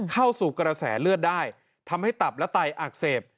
เข้าสู่กระแสเลือดได้ทำให้ตับและไตอักเสบ